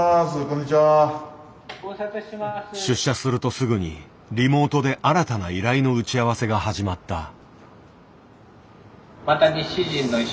出社するとすぐにリモートで新たな依頼の打ち合わせが始まった。